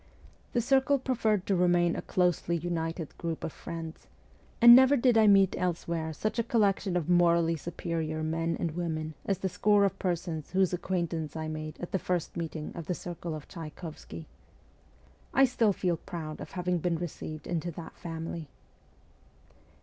The circle preferred to remain a closely united group of friends ; and never did I meet elsewhere such a collection of morally superior men and women as the score of persons whose acquaintance I made at the first meeting of the circle of Tchaykovsky. I still feel proud of having been received into that family.